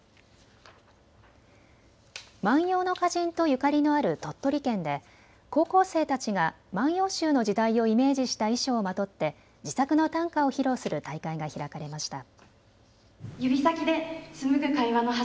万葉の歌人とゆかりのある鳥取県で高校生たちが万葉集の時代をイメージした衣装をまとって自作の短歌を披露する大会が開かれました。